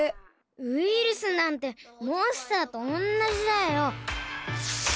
ウイルスなんてモンスターとおんなじだよ。